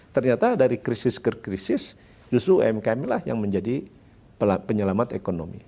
ternyata dari krisis ke krisis justru umkm lah yang menjadi penyelamat ekonomi